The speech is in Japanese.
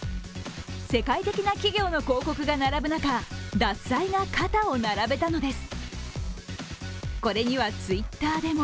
世界的な企業の広告が並ぶ中、獺祭が肩を並べたのです。